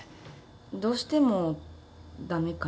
どうしても駄目かな。